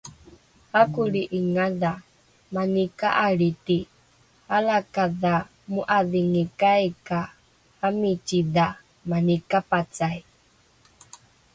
Akoli'ingadha, mani ka'alriti, alakadha mo'adhingikai ka 'amicidha mani kapacai